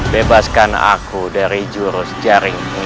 bebaskan aku dari jurus jaring ikat roh